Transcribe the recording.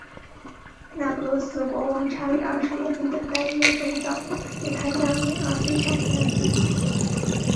那不勒斯国王查理二世已经等待一位教宗为他加冕而非常不耐烦。